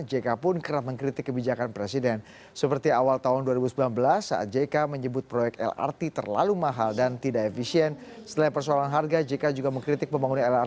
jika mungkin siapa konsultan ini yang memimpin begini sehingga biayanya lima ratus miliar per kilometer